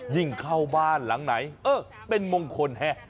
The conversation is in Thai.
ยิ่งเข้าบ้านหลังไหนเออเป็นมงคลแห่